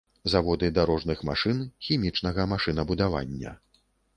Заводы дарожных машын, хімічнага машынабудавання.